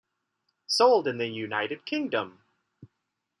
Sold in the United Kingdom.